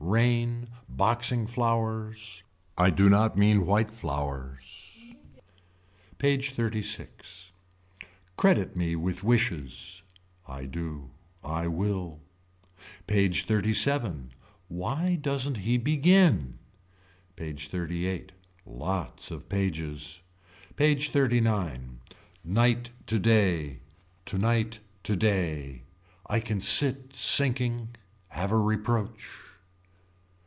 Rain. Boxing flowers. I do not mean white flowers. PAGE XXXVI. Credit me with wishes. I do. I will. PAGE XXXVII. Why doesn't he begin. PAGE XXXVIII. Lots of pages. PAGE XXXIX. Night today. Tonight today. I can sit sinking. Have a reproach.